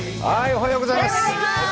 おはようございます。